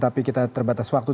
tapi kita terbatas waktu